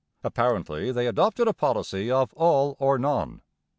Apparently they adopted a policy of all or none.